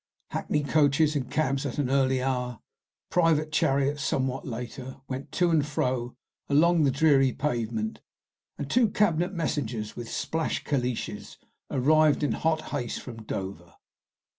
Hackney coaches and cabs at an early hour, private chariots somewhat later, went to and fro along the dreary pavement, and two cabinet messengers with splashed calèches arrived in hot haste from Dover.